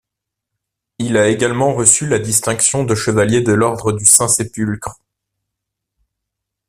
Il a également reçu la distinction de chevalier de l'ordre du Saint-Sépulcre.